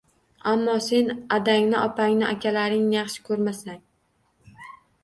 Ammo sen adangni, opangni, akalaringni yaxshi ko‘rmasang...